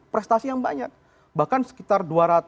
prestasi yang banyak bahkan sekitar